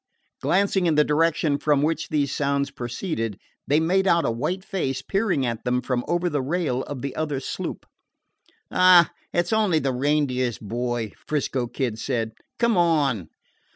Glancing in the direction from which these sounds proceeded, they made out a white face peering at them from over the rail of the other sloop. "Aw, it 's only the Reindeer's boy," 'Frisco Kid said. "Come on."